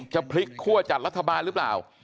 จะพลิกคั่วจัดรัฐบาลหรือเปล่า